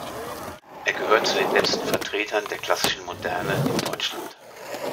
Er gehört zu den letzten Vertretern der „Klassischen Moderne“ in Deutschland.